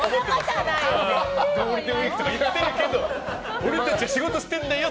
ゴールデンウィークとか言ってるけど俺たちは仕事してんだよ！